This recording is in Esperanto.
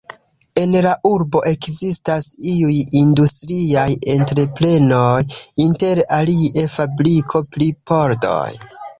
En la urbo ekzistas iuj industriaj entreprenoj, inter alie fabriko pri pordoj.